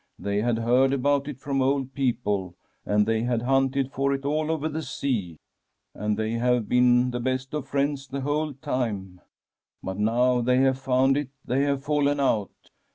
They had heard about it from old people, and they had hunted for it all over the sea, and they have been the best of friends the whole time, but now they have found it they have fallen out.'